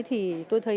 thì tôi thấy